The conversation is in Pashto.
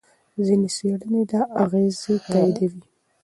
ځینې څېړنې دا اغېز تاییدوي.